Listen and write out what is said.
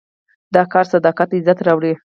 د کار صداقت عزت راوړي.